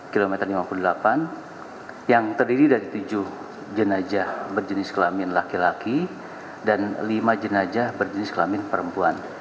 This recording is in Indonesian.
kilometer lima puluh delapan yang terdiri dari tujuh jenajah berjenis kelamin laki laki dan lima jenajah berjenis kelamin perempuan